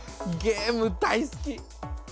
ゲーム大好き！